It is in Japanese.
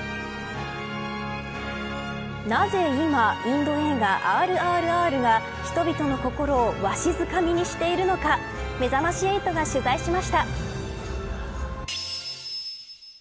なぜ今、インド映画、ＲＲＲが人々の心をわしづかみにしているのかめざまし８が取材しました。